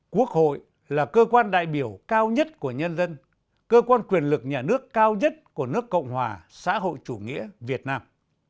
quốc hội là cơ quan đại biểu cao nhất của nhân dân cơ quan quyền lực nhà nước cao nhất của nước cộng hòa xã hội chủ nghĩa việt nam